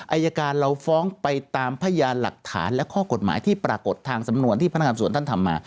อายการเราฟ้องไปตามพยานหลักฐานและข้อกฎหมายที่ปรากฏทางสำนวนที่พนักงานส่วนท่านทำมา